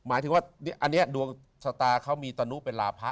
อันนี้ดวงศาตาเขามีตานุเป็นราพะ